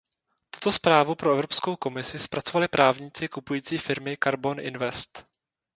Tuto zprávu pro Evropskou komisi zpracovali právníci kupující firmy Karbon Invest.